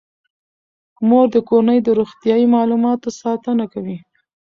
مور د کورنۍ د روغتیايي معلوماتو ساتنه کوي.